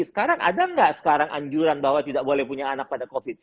sekarang ada nggak sekarang anjuran bahwa tidak boleh punya anak pada covid